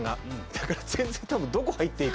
だから全然たぶんどこ入っていいか。